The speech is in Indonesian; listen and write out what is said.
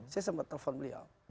saya sempat telepon beliau